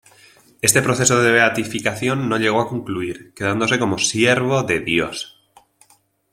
Este proceso de beatificación no llegó a concluir, quedándose como "Siervo de Dios".